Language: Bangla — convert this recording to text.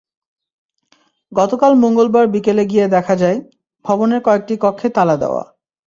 গতকাল মঙ্গলবার বিকেলে গিয়ে দেখা যায়, ভবনের কয়েকটি কক্ষে তালা দেওয়া।